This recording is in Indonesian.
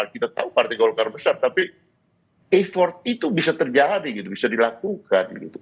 kita tahu partai golkar besar tapi effort itu bisa terjadi gitu bisa dilakukan